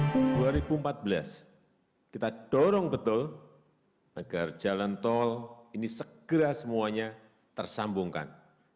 di dua ribu empat belas kita dorong betul agar jalan tol ini segera semuanya tersambungkan